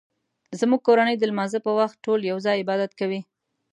زموږ کورنۍ د لمانځه په وخت ټول یو ځای عبادت کوي